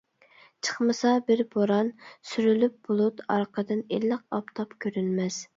چىقمىسا بىر بوران، سۈرۈلۈپ بۇلۇت، ئارقىدىن ئىللىق ئاپتاپ كۆرۈنمەس.